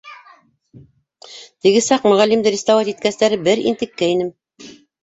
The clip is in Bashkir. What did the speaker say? Теге саҡ мөғәллимде ристауать иткәстәре бер интеккәйнем.